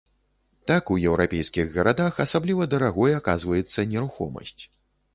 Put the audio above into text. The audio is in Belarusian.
Так, у еўрапейскіх гарадах асабліва дарагой аказваецца нерухомасць.